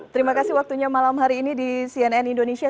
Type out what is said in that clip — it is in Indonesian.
terima kasih waktunya malam hari ini di cnn indonesia